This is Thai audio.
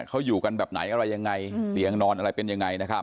เขาอยู่กันแบบไหนอะไรยังไงเตียงนอนอะไรเป็นยังไงนะครับ